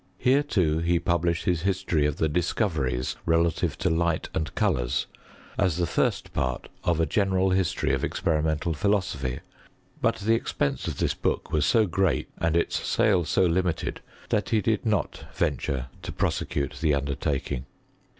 Here, too, he published his history of the Discoveries relative to light and Colours, as the first part of a general history of experimental philosophy; but the expense of this book was so great, and its sale so limited, that he did not venture to prosecute the undertaking.